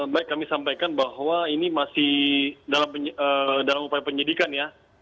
baik kami sampaikan bahwa ini masih dalam upaya penyidikan ya